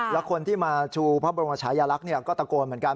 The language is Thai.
แล้วคนที่มาชูพระบรมชายลักษณ์ก็ตะโกนเหมือนกัน